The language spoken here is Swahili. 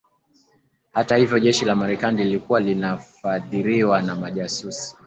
Hata hivyo jeshi la Marekani lililokuwa linafadhiriwa na majasusi